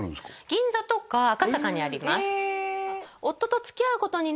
銀座とか赤坂にあります